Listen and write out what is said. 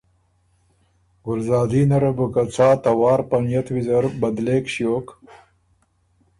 ګلزادینه ره بو که څا ته وار په نئت ویزر بدلېک ݭیوک،